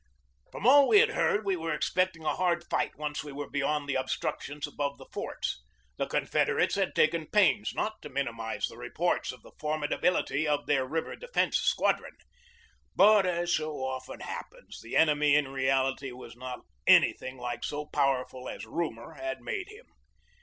From all we had heard we were expecting a hard fight once we were beyond the obstructions above the forts. The Confederates had taken pains not to minimize the reports of the formidability of their River Defence Squadron. But, as so often happens, the enemy in reality was not anything like so pow erful as rumor had made him.